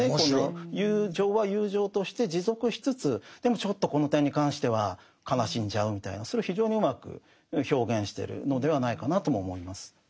友情は友情として持続しつつでもちょっとこの点に関しては悲しんじゃうみたいなそれを非常にうまく表現してるのではないかなとも思います。